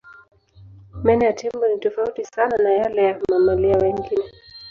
Meno ya tembo ni tofauti sana na yale ya mamalia wengine.